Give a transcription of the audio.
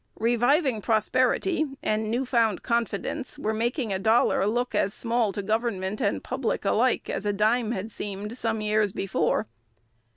Reviving prosperity and new found confidence were making a dollar look as small to government and public alike as a dime had seemed some years before.